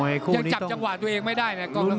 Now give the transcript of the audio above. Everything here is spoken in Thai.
ยังจับจังหวะตัวเองไม่ได้นะกล้อง